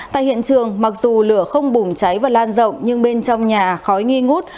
tại hiện trường mặc dù lửa không bùng cháy và lan rộng nhưng bên trong nhà khói nghi ngút